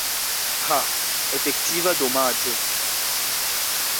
Ha, efektiva domaĝo!